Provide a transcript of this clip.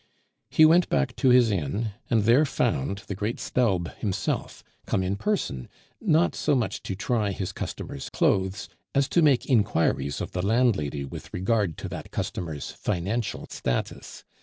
He went back to his inn, and there found the great Staub himself, come in person, not so much to try his customer's clothes as to make inquiries of the landlady with regard to that customer's financial status.